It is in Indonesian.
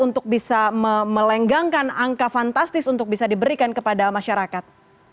untuk bisa melenggangkan angka fantastis untuk bisa diberikan kepada masyarakat